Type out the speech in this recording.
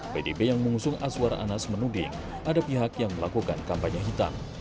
pdip yang mengusung aswar anas menuding ada pihak yang melakukan kampanye hitam